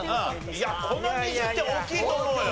いやこの２０点大きいと思うよ。